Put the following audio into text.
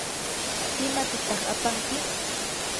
¿imatataq apanki?